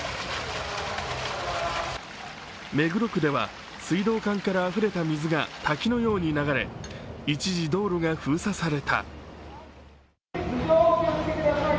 目黒区では水道管からあふれた水が滝のように流れ、一時道路が封鎖された。